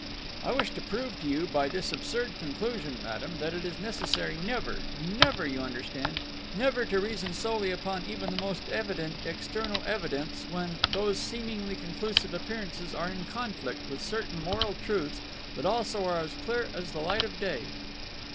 "I wish to prove to you by this absurd conclusion, madame, that it is necessary never never, you understand? Never to reason solely upon even the most evident external evidence when those seemingly conclusive appearances are in conflict with certain moral truths that also are clear as the light of day.